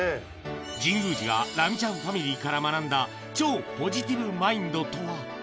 神宮寺がラミちゃんファミリーから学んだ超ポジティブマインドとは。